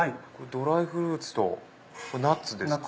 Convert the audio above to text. ドライフルーツとナッツですか？